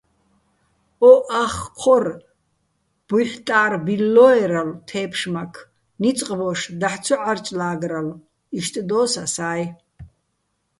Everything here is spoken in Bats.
ო ახ ჴორ ჲუჲჰ̦ტა́რ ბილლო́ერალო̆ თე́ფშმაქ, ნიწყ ბოშ, დაჰ̦ ცო ჺარჭლა́გრალო̆, იშტ დო́ს ასა́ჲ.